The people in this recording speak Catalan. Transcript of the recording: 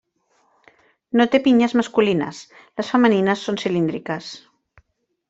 No té pinyes masculines, les femenines són cilíndriques.